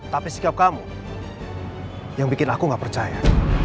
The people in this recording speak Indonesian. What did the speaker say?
tapi itu setiap kamu yang bikin aku gak percaya